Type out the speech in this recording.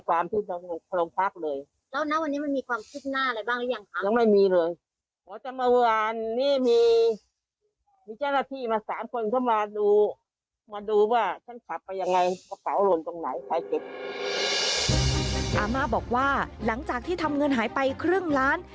อาม่าบอกว่าหลังจากที่ทำเงินหายไปครึ่งล้าน